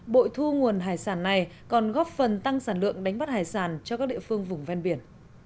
bội thu nguồn hải sản này còn góp phần tăng sản lượng đánh bắt hải sản cho các địa phương vùng ven biển